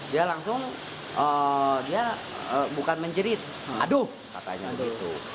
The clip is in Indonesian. dia langsung dia bukan menjerit aduh katanya gitu